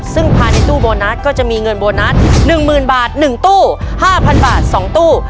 ซึ่งภายในตู้โบนัสก็จะมีเงินโบนัส๑๐๐๐บาท๑ตู้๕๐๐บาท๒ตู้